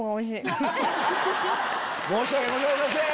申し訳ございません